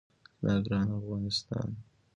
زما ګران افغانستان.